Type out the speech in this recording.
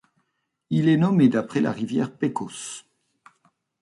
Il est nommé d'après la rivière Pecos.